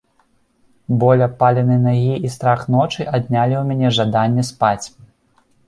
Боль апаленай нагі і страх ночы аднялі ў мяне жаданне спаць.